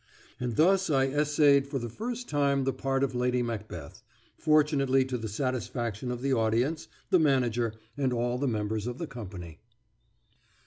And thus I essayed for the first time the part of Lady Macbeth, fortunately to the satisfaction of the audience, the manager, and all the members of the company.